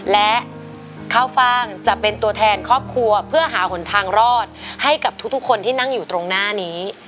และข้าวฟ่างจะเป็นตัวแทนครอบครัวเพื่อหาหนทางรอดให้กับทุกคนที่นั่งอยู่ตรงหน้านี้